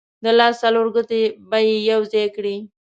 د لاس څلور ګوتې به یې یو ځای کړې.